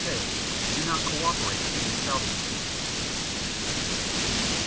(k) Do not cooperate in salvage schemes.